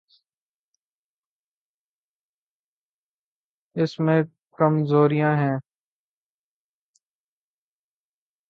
اس میں کمزوریاں ہیں۔